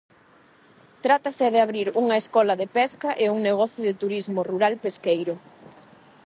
Trátase de abrir unha escola de pesca e un negocio de turismo rural pesqueiro.